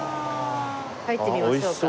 入ってみましょうか。